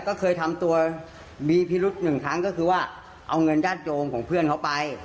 ก็เคยทำตัวมีพิรุษหนึ่งครั้งก็คือว่าเอาเงินญาติโยมของเพื่อนเขาไป